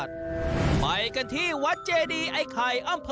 เด็กวัดเจดี